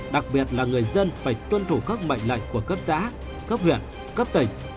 đặc biệt là người dân phải tuân thủ các mệnh lệnh của cấp xã cấp huyện cấp tỉnh